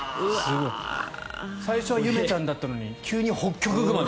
最初はゆめちゃんだったのに急にホッキョクグマ。